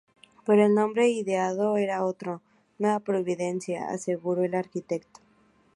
Pero el nombre ideado era otro, Nueva Providencia", aseguró el arquitecto.